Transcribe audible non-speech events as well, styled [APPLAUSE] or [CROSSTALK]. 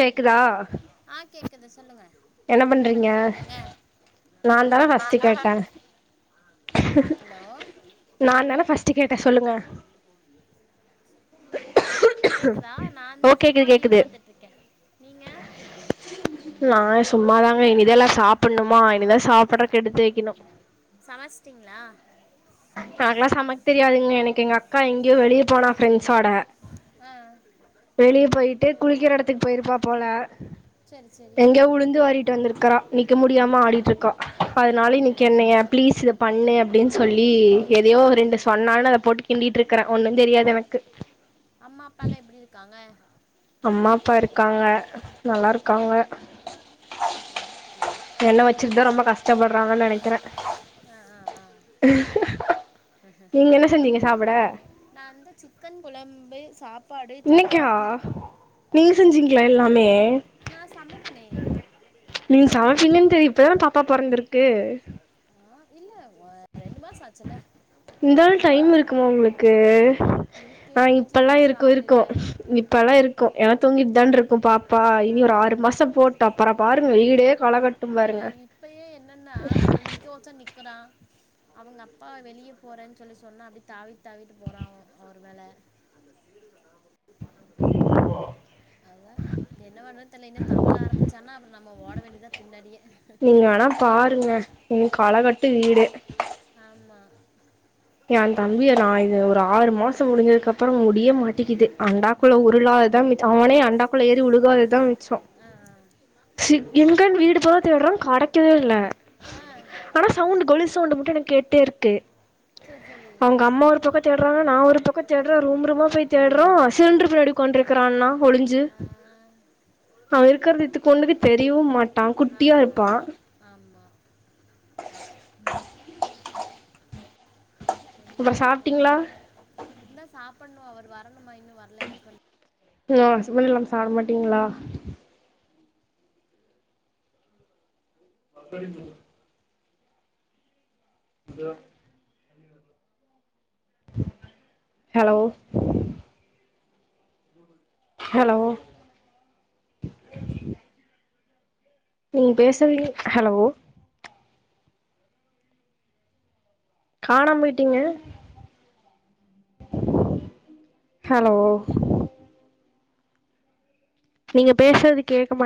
கேக்குதா கேசன்லா [UNINTELLIGIBLE] என்ன பண்றீங்க நான் தா பர்ஸ்ட் கேட்டேன் ஹலோ ஃபஸ்ட்டு கேட்டே சொல்லுங்க கேக்குதா நான் ஓ தான் சும்மா கேக்குது டிவி கேக்குது பாத்துட்டு இருக்கே நீங்க ந சும்மாதாங்க இனி இதெ எல்லாம் சாப்பிடணுமா இனிதான் சாப்பிடுறக்குெடுத்து வைக்கணும் சமச்ச்டிங்களா எனக்லா சமைக் தெரியாதுங்க எனக்கு எங்க அக்கா எங்யோ வெளிய போனா ஃப்ரெண்ட்ஸோட ஆ வெளியே போயிட்டு குளிக்கிற இடத்துக்கு போயிருப்பா போல சரி சரி எங்கயோ உளுந்து வாரிட்டு வந்திருக்கறான் நிக்க முடியாம ஆடிட்டு இருக்கா அதனால இன்னைக்கு ஐயையோ என்ன ஏன் பிளீஸ் இத பண்ணு அப்படின்னு சொல்லி எதையோ ஆ ரெண்டு சொன்னானு அதை போட்டு கிண்டிட்டு இருக்கற ஒன்னு தெரியாது எனக்கு அம்மா அப்பாலா எப்படி இருக்காங்க அம்மா அப்பா இருக்காங்க நல்லா இருக்காங்க ஓகே ஓகே எண்ண வச்சிருத ரொம்ப கஷ்ட் [UNINTELLIGIBLE] நினைக்கிறே ஆ ஆ ஆ நீங்க என்ன செஞ்சீங்க சாப்பிட நான் வந்து சிக்கன் குழம்பு சாப்பாடு இன்னைக்கா சப்பாத்தி நீங்க செஞ்சீங்களா எல்லாமே நான் சமைப்பனே நீங்க சமைப்பீங்கன்னு தெரிய இப்பதான பாப்பா போறந்திருக்கு ஆ இல்ல ரெண்டு மாசம் ஆச்சுல்ல இந்தாலு டைம் இருக்குமா உங்களுக்கு இருக்கு ஆஹ் வீட்ல இப்பல்லா பெருசா இருக்கு ஆள் இருக்கோ இல்ல இப்ப எல்லாம் இருக்கும் ஏன்னா தூங்கிட்டு தான் இருக்கும் பாப்பா இனி ஒரு ஆறு ஆ மாசம் போட்ட அப்புறம் பாருங்க ஈடே காலகட்டும் இல்ல பாருங்க நிக்கறா அவங்க அப்பா வெளியே போறேன் சொல்லி சொன்னா அப்டி தாவி தாவிட்டு போற அவர் மேல அதா என்ன பண்ணற தெரில தவள ஆரம்பிச்சானா அப்புறம் நம்ம ஓட வேண்டியதா பின்னாடியே உ களகட்டு வீடு ஆமா என் தம்பிய நான் இது ஒரு ஆறு மாச முடிஞ்சதுக்கு அப்புறம் முடிய மாட்டக்குது ஆ அண்டாக்குள்ள உருளாகதா அவனே அண்டா குள்ள ஏறிழுகாததுதா சோ ஆ ச [UNINTELLIGIBLE] வீடு போற விடற கடைக்கவே இல்ல ஆ ஆ ஆனா சவுண்ட் கோலுஸ் [UNINTELLIGIBLE] உண்டு மட்டும் எனக்கு கேட்டே இருக்கு சேரி சேரி அவுங்க அம்மா ஒரு பக்கம் தேடுறாங்க நா ஒரு பக்கம் தேடுறேன் ரூம் ரூமா போய் தேடுறேன் சிலிண்டரு பின்னாடி ஒக்கான்ட்ரு இருக்கானா ஒளிஞ்சி ஆ அவன் இருக்குறது இத்துக்குன்டு கண்ணுக்கு தெரியவு மாட்டா குட்டியா ஆமா இருப்பான் ஆமா ஆமா டும் என்ன பண்றது இந்தா சாப் இன்னு அவர் வரணுமா இன்னு வர்லயா ஹாங்குல் ஆ உ ஹஸ்பண்ட் இல்லாம சாப்ட மாட்டீங்களா [INAUDIBLE] [INAUDIBLE] ஹலோ ஹலோ நீங்க பேசவீ ஹலோ காணாம் போயிட்டீங்க ஹலோ நீங்க பேசறது கேக்க மாட்